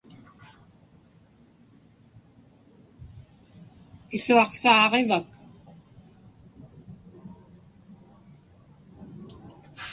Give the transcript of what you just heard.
Pisuaqsaaġivak?